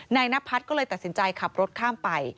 นพัฒน์ก็เลยตัดสินใจขับรถข้ามไป